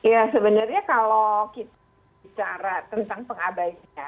ya sebenarnya kalau kita bicara tentang pengabainya